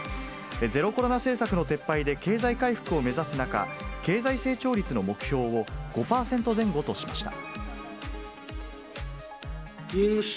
ゼロコロナ政策の撤廃で、経済回復を目指す中、経済成長率の目標を５％前後としました。